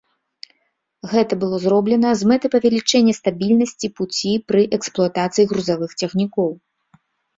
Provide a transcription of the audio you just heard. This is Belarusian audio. Гэта было зроблена з мэтай павялічэння стабільнасці пуці пры эксплуатацыі грузавых цягнікоў.